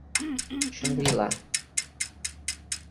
Xangri-lá